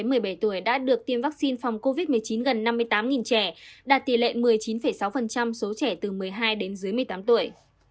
đồng nai số trẻ em được tiêm vaccine phòng covid một mươi chín gần năm mươi tám trẻ đạt tỷ lệ một mươi chín sáu số trẻ từ một mươi hai đến dưới một mươi tám tuổi